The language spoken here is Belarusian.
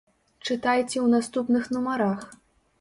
Чытайце ў наступных нумарах!